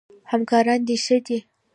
همکاران د ښه دي؟